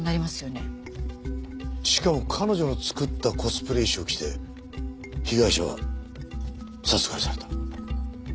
しかも彼女の作ったコスプレ衣装を着て被害者は殺害された。